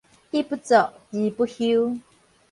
一不作，二不休